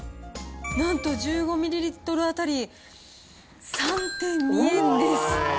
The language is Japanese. なんと１５ミリリットル当たり３．２円です。